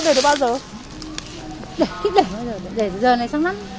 để thích để bao giờ để giờ này xong lắm